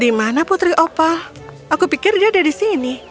dimana putri opal aku pikir dia ada di sini